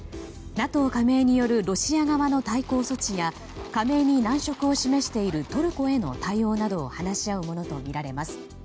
ＮＡＴＯ加盟によるロシア側の対抗措置や加盟に難色を示しているトルコへの対応などを話し合うものとみられます。